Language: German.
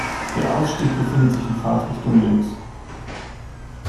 Der Ausstieg befindet sich in Fahrtrichtung links.